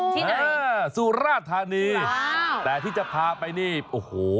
ที่ไหนสุราธารณีย์แต่ที่จะพาไปนี่โอ้โห